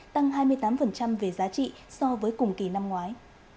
tăng hai mươi tám về giá trị so với cùng kỳ năm ngoái